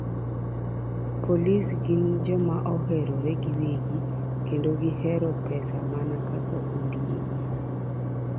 Polise gin joma oherore giwegi, kendo gihero pesa mana kaka ondiegi.